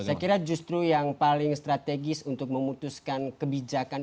saya kira justru yang paling strategis untuk memutuskan kebijakan